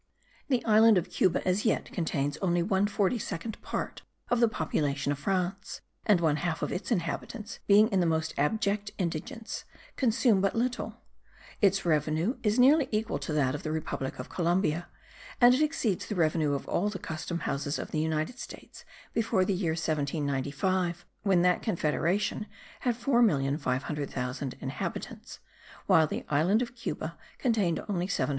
The island of Cuba as yet contains only one forty second part of the population of France; and one half of its inhabitants, being in the most abject indigence, consume but little. Its revenue is nearly equal to that of the Republic of Columbia, and it exceeds the revenue of all the custom houses of the United States* before the year 1795, when that confederation had 4,500,000 inhabitants, while the island of Cuba contained only 715,000.